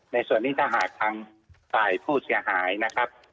ในส่วนนี้ถ้าหากทางฝ่ายผู้เสียหายนะครับ